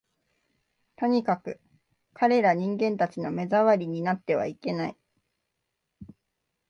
とにかく、彼等人間たちの目障りになってはいけない